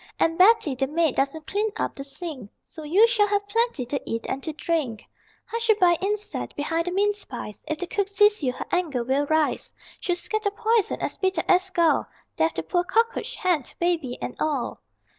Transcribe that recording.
And Betty, the maid, doesn't clean up the sink, So you shall have plenty to eat and to drink. Hushabye, insect, behind the mince pies: If the cook sees you her anger will rise; She'll scatter poison, as bitter as gall, Death to poor cockroach, hen, baby and all.